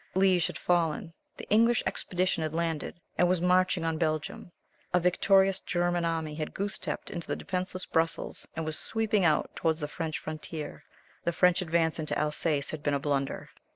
Liège had fallen. The English Expedition had landed, and was marching on Belgium. A victorious German army had goose stepped into defenseless Brussels, and was sweeping out toward the French frontier. The French advance into Alsace had been a blunder.